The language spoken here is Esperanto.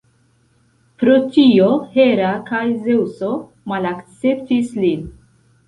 Pro tio, Hera kaj Zeŭso malakceptis lin.